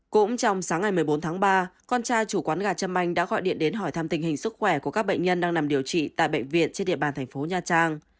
cũng trong sáng ngày một mươi bốn tháng ba con trai chủ quán gà châm anh đã gọi điện đến hỏi thăm tình hình sức khỏe của các bệnh nhân đang nằm điều trị tại bệnh viện trên địa bàn thành phố nha trang